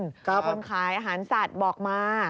ก็ขอบคุณขายอาหารสัตว์บอกมา